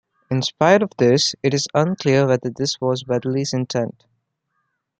In spite of this, it is unclear whether this was Weatherly's intent.